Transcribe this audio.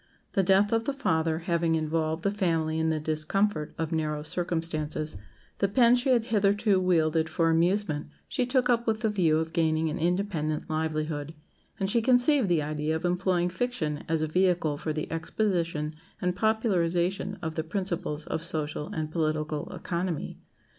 The death of the father having involved the family in the discomfort of narrow circumstances, the pen she had hitherto wielded for amusement she took up with the view of gaining an independent livelihood; and she conceived the idea of employing fiction as a vehicle for the exposition and popularization of the principles of social and political economy.